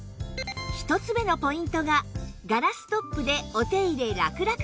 １つ目のポイントがガラストップでお手入れラクラク！